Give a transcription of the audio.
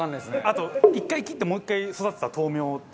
あと１回切ってもう１回育てた豆苗って。